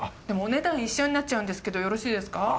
でもお値段一緒になっちゃうんですけどよろしいですか？